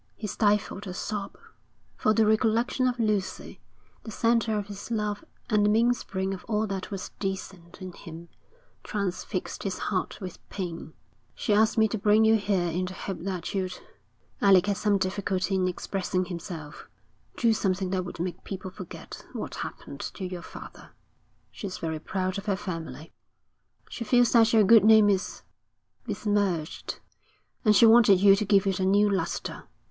He stifled a sob, for the recollection of Lucy, the centre of his love and the mainspring of all that was decent in him, transfixed his heart with pain. 'She asked me to bring you here in the hope that you'd,' Alec had some difficulty in expressing himself 'do something that would make people forget what happened to your father. She's very proud of her family. She feels that your good name is besmirched, and she wanted you to give it a new lustre.